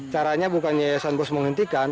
caranya bukan yayasan bos menghentikan